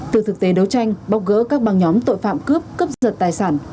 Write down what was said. từ thực tế đấu tranh bóc gỡ các băng nhóm tội phạm cướp cướp giật tài sản